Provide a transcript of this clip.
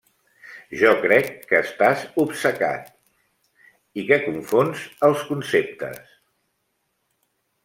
-Jo crec que estàs obcecat… i que confons els conceptes…